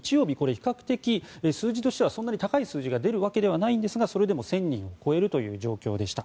比較的数字としてはそんなに高い数字が出るわけではないんですがそれでも１０００人を超えるという状況でした。